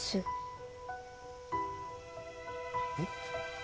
えっ？